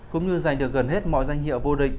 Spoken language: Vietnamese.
cũng như giành được gần hết mọi danh hiệu vô địch